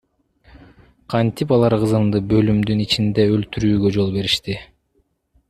Кантип алар кызымды бөлүмдүн ичинде өлтүртүүгө жол беришти?